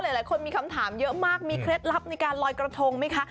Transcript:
หลายคนมีคำถามเยอะมากมีเคล็ดลับในการลอยกระทงไหมคะ